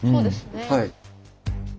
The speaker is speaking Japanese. はい。